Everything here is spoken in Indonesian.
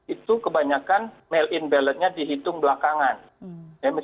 itu kebanyakan mail in ballotnya dihitung belakangan